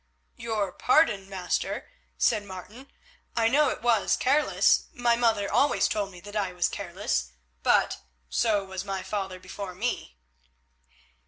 "Your pardon, master," said Martin. "I know it was careless; my mother always told me that I was careless, but so was my father before me."